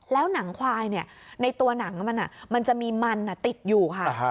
แล้วหนังควายในตัวหนังมันจะมีมันติดอยู่ค่ะ